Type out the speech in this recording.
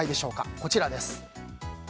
こちらです。